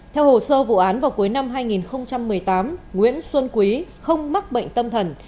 theo hồ sơ vụ án vào cuối năm hai nghìn một mươi tám nguyễn xuân quý không mắc bệnh tâm thần